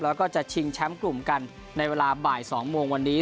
แล้วก็จะชิงแชมป์กลุ่มกันในเวลาบ่าย๒โมงวันนี้